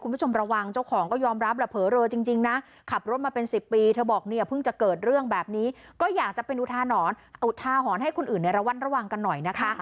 คุณผู้ชมระวังเจ้าของก็ยอมรับแหละเผลอเลอจริงนะขับรถมาเป็น๑๐ปีเธอบอกเนี่ยเพิ่งจะเกิดเรื่องแบบนี้ก็อยากจะเป็นอุทาหรณ์อุทาหรณ์ให้คนอื่นในระวัดระวังกันหน่อยนะคะ